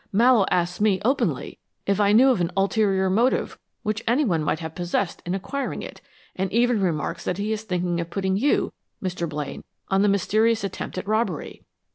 Mallowe asks me, openly, if I knew of an ulterior motive which any one might have possessed in acquiring it, and even remarks that he is thinking of putting you, Mr. Blaine, on the mysterious attempt at robbery.